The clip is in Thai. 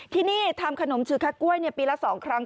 ที่นี่ทำขนมชื่อคักกล้วยปีละ๒ครั้ง